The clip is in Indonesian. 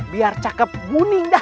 biar cakep muning dah